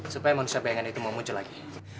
supaya manusia bayangan itu mau muncul lagi